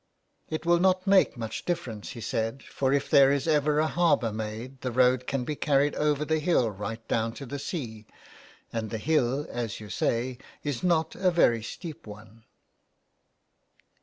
" It will not make much difference," he said, " for if there is ever a harbour made the road can be carried over the hill right down to the sea, and the hill, as you say, is not a very steep one."